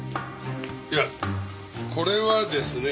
いやこれはですね